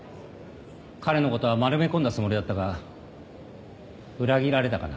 彼のことは丸め込んだつもりだったが裏切られたかな。